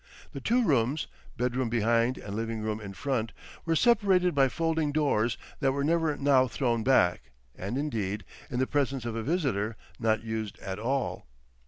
The two rooms, bedroom behind and living room in front, were separated by folding doors that were never now thrown back, and indeed, in the presence of a visitor, not used at all.